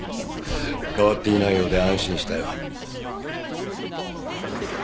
変わっていないようで安心したよ。